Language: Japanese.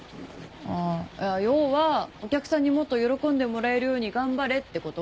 ああ要はお客さんにもっと喜んでもらえるように頑張れってこと？